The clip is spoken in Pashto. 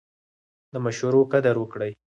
د مشورو قدر وکړئ.